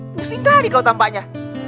pusing kali kau tampaknya